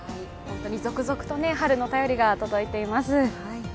本当に続々と春の便りが届いています。